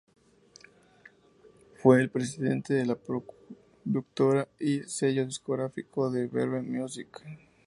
Fue el presidente de la productora y sello discográfico Verve Music.